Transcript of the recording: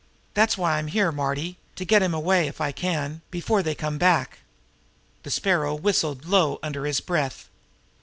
That's why I'm here, Marty to get him away, if I can, before they come back." The Sparrow whistled low under his breath.